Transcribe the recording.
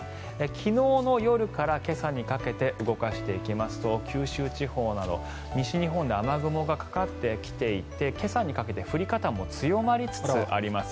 昨日の夜から今朝にかけて動かしていきますと九州地方など西日本で雨雲がかかってきていて今朝にかけて降り方も強まりつつあります。